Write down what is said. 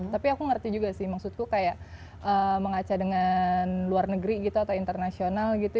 tapi aku ngerti juga sih maksudku kayak mengaca dengan luar negeri gitu atau internasional gitu